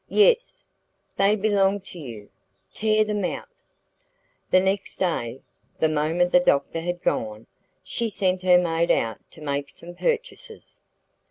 "Yes." "They belong to you; tear them out." The next day, the moment the doctor had gone, she sent her maid out to make some purchases.